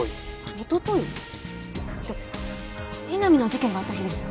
一昨日？って井波の事件があった日ですよ。